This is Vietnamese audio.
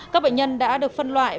các bệnh nhân đã được phân loại